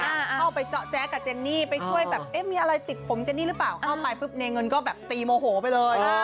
เข้าไปเจ๊ก่ะเจนนี่ไปช่วยไหมที่มีอะไรติดผมเจนนี่หรือเปล่าเข้าไปปืบเนเงินก็ตีโมโหไปเลย